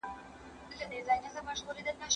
خپل هدف ته رسېدل پیاوړې اراده غواړي.